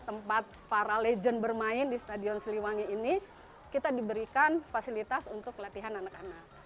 tempat para legend bermain di stadion siliwangi ini kita diberikan fasilitas untuk latihan anak anak